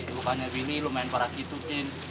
bukannya ini kamu main parah begitu jin